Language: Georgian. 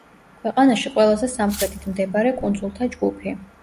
ქვეყანაში ყველაზე სამხრეთით მდებარე კუნძულთა ჯგუფი.